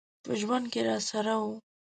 په ژوند کي راسره و .